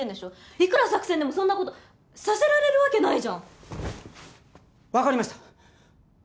いくら作戦でもそんなことさせられるわけないじゃん分かりました！